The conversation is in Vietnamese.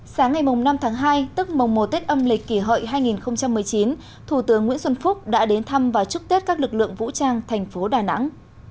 sáng ngày năm tháng hai tức mồng mùa tết âm lịch kỷ hợi hai nghìn một mươi chín thủ tướng nguyễn xuân phúc đã đến thăm và chúc tết các lực lượng vũ trang thành phố đà nẵng